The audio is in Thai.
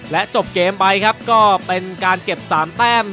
จบเกมไปครับก็เป็นการเก็บ๓แต้ม